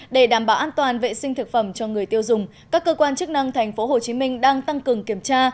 để đảm bảo an toàn vệ sinh thực phẩm cho người tiêu dùng các cơ quan chức năng tp hcm đang tăng cường kiểm tra